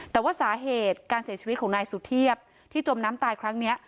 แต่ว่าสาเหตุการเสียชีวิตของนายสุเทพที่จมน้ำตายครั้งนี้